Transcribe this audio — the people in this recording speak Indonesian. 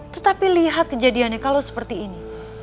tetapi lihat kejadiannya kalau seperti ini